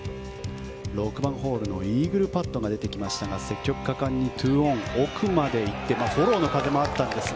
６番ホールのイーグルパットが出てきましたが積極果敢に２オン、奥まで行ってフォローの風もありました。